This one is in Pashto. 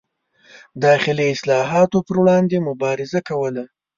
داخلي اصلاحاتو پر وړاندې مبارزه کوله.